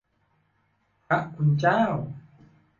พระคุณเจ้า